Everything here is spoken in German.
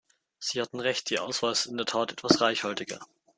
Sie hatten recht, die Auswahl ist in der Tat etwas reichhaltiger.